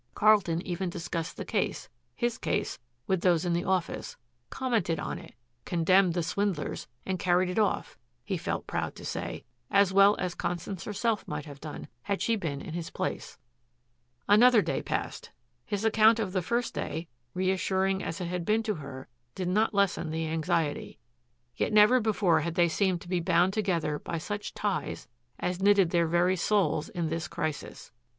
Carlton even discussed the case, his case, with those in the office, commented on it, condemned the swindlers, and carried it off, he felt proud to say, as well as Constance herself might have done had she been in his place. Another day passed. His account of the first day, reassuring as it had been to her, did not lessen the anxiety. Yet never before had they seemed to be bound together by such ties as knitted their very souls in this crisis.